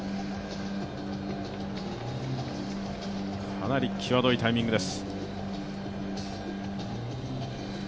かなり際どいタイミングです。